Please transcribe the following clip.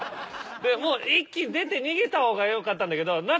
でもう一気に出て逃げた方がよかったんだけど。